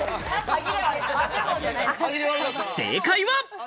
正解は。